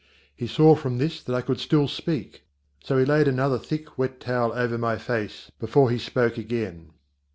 He saw from this that I could still speak. So he laid another thick wet towel over my face before he spoke again.